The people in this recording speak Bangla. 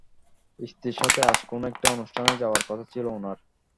স্ত্রীর সাথে আজ কোনো একটা অনুষ্ঠানে যাওয়ার কথা ছিল উনার।